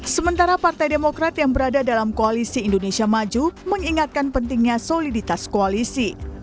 sementara partai demokrat yang berada dalam koalisi indonesia maju mengingatkan pentingnya soliditas koalisi